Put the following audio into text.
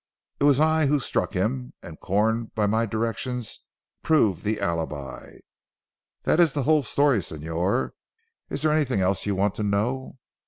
It was I who struck him, and Corn by my directions proved the alibi. That is the whole story Señor. Is there anything else you want to know?"